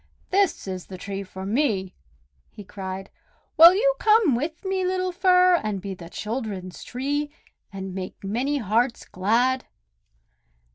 "This is the tree for me!" he cried. "Will you come with me, little Fir, and be the children's tree, and make many hearts glad?"